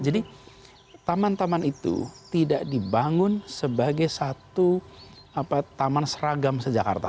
jadi taman taman itu tidak dibangun sebagai satu taman seragam sejakarta